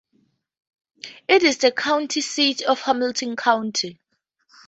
It is the county seat of Hamilton County.